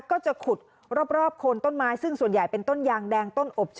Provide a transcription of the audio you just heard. ก็จะขุดรอบโคนต้นไม้ซึ่งส่วนใหญ่เป็นต้นยางแดงต้นอบ